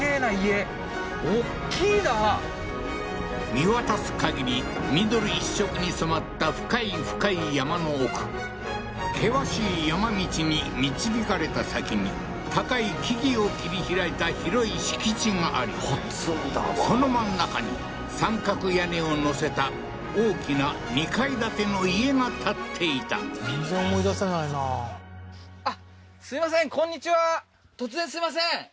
見渡すかぎり緑一色に染まった深い深い山の奥険しい山道に導かれた先に高い木々を切り開いた広い敷地がありその真ん中に三角屋根を載せた大きな２階建ての家が建っていた全然思い出せないなははは